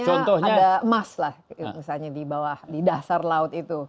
misalnya ada emas lah misalnya di bawah di dasar laut itu